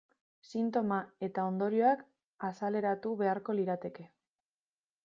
Sintoma eta ondorioak azaleratu beharko lirateke.